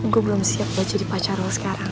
gue belum siap lagi jadi pacar lo sekarang